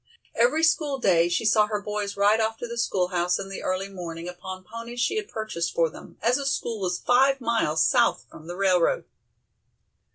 Every school day she saw her boys ride off to the school house in the early morning upon ponies she had purchased for them, as the school was five miles south from the railroad.